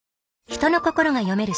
人の心が読める